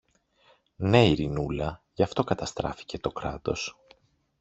Ναι, Ειρηνούλα, γι' αυτό καταστράφηκε το Κράτος.